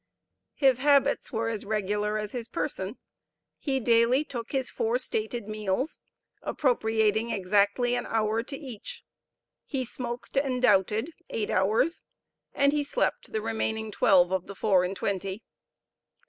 His habits were as regular as his person. He daily took his four stated meals; appropriating exactly an hour to each; he smoked and doubted eight hours, and he slept the remaining twelve of the four and twenty.